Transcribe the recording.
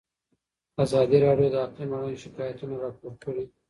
ازادي راډیو د اقلیم اړوند شکایتونه راپور کړي.